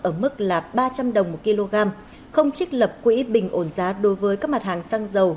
ở mức là ba trăm linh đồng một kg không trích lập quỹ bình ổn giá đối với các mặt hàng xăng dầu